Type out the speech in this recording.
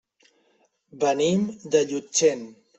Venim de Llutxent.